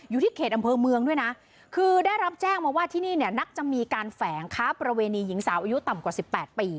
อยู่ที่เขตอำเภอเมืองด้วยนะคือได้รับแจ้งมาว่าที่นี่เนี่ยมักจะมีการแฝงค้าประเวณีหญิงสาวอายุต่ำกว่าสิบแปดปี